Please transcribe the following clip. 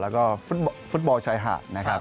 แล้วก็ฟุตบอลชายหาดนะครับ